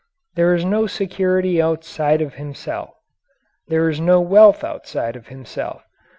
There is no security outside of himself. There is no wealth outside of himself.